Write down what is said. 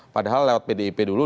padahal lewat pdip dulu